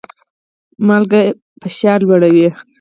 مالګه فشار لوړوي